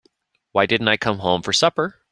Why didn't I come home for supper?